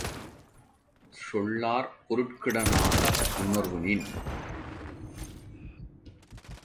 சொல்லாற் பொருட்கிட னாக வுணர்வினின்